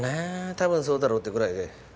多分そうだろうってぐらいで。